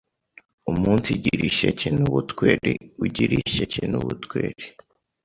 Umunsigire ishyeke n’ubutweri u gire is h ye ke n’u b utweri